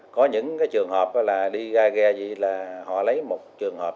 có những trường hợp là đi ra ghe gì là họ lấy một trường hợp